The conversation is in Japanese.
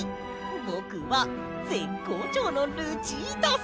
ぼくはぜっこうちょうのルチータさ！